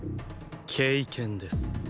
“経験”です。